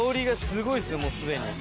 もうすでに。